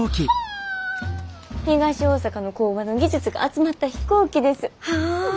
東大阪の工場の技術が集まった飛行機です。